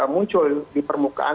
muncul di permukaan